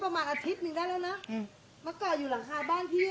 ประมาณอาทิตย์หนึ่งได้แล้วนะมาเกาะอยู่หลังคาบ้านพี่